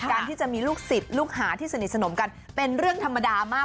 ที่จะมีลูกศิษย์ลูกหาที่สนิทสนมกันเป็นเรื่องธรรมดามาก